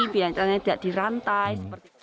binatangnya tidak dirantai